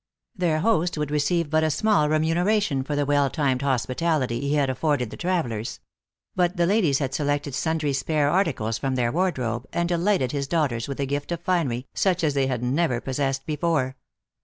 Their host would receive but a small remuneration for the well timed hospitality he had afforded the travelers. But the ladies had selected sundry spare articles from their wardrobe, and delighted his daugh ters with the gift of finery, such as they had never possessed before.